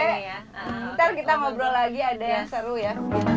nanti kita ngobrol lagi ada yang seru ya